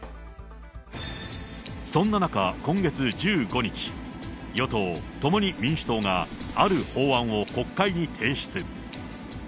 そんな中、今月１５日、与党・共に民主党がある法案を国会に提出。